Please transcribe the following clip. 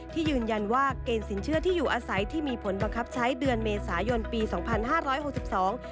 ยืนยันว่าเกณฑ์สินเชื่อที่อยู่อาศัยที่มีผลบังคับใช้เดือนเมษายนปีสองพันห้าร้อยหกสิบสอง